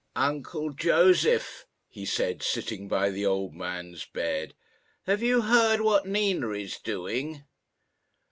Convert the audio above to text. "Uncle Josef," he said, sitting by the old man's bed, "have you heard what Nina is doing?"